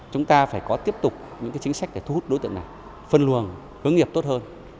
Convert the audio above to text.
chúng ta phải có tiếp tục những chính sách để thu hút đối tượng này phân luồng hướng nghiệp tốt hơn